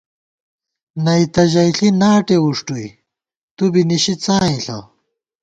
نئی تہ ژئیݪی ناٹے وُݭٹُوئی، تُو بی نِشِی څائیں ݪہ